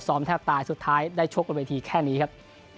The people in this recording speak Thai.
แทบตายสุดท้ายได้ชกบนเวทีแค่นี้ครับ